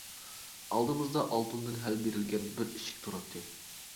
ئالدىمىزدا ئالتۇندىن ھەل بېرىلگەن بىر ئىشىك تۇراتتى.